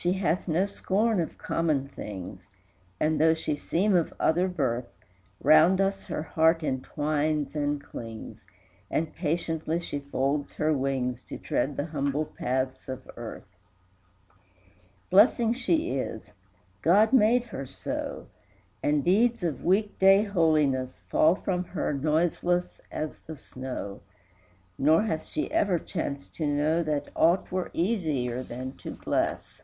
V. She hath no scorn of common things, And, though she seem of other birth, Round us her heart entwines and clings, And patiently she folds her wings To tread the humble paths of earth. VI. Blessing she is: God made her so, And deeds of weekday holiness Fall from her noiseless as the snow, Nor hath she ever chanced to know That aught were easier than to bless.